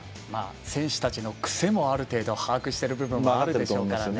選手たちの癖もある程度、把握している部分もあるでしょうね。